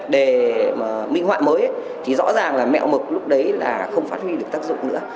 để minh họa mới thì rõ ràng là mẹo mực lúc đấy là không phát huy được tác dụng nữa